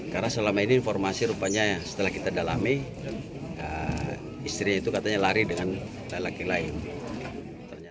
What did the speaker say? karena selama ini informasi rupanya setelah kita dalami istrinya itu katanya lari dengan laki laki lain